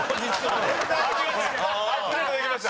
アップデートできました。